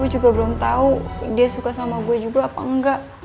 gue juga belum tau dia suka sama gue juga apa engga